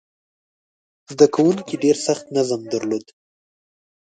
زده کوونکي ډېر سخت نظم درلود.